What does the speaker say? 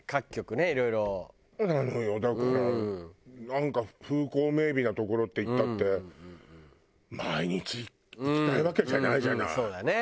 なんか風光明媚な所っていったって毎日行きたいわけじゃないじゃない。